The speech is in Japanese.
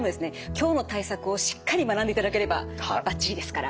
今日の対策をしっかり学んでいただければバッチリですから。